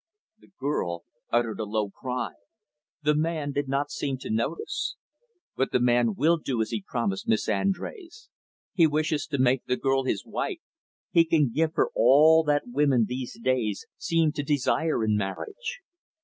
The girl uttered a low cry. The man did not seem to notice. "But the man will do as he promised, Miss Andrés. He wishes to make the girl his wife. He can give her all that women, these days, seem to desire in marriage.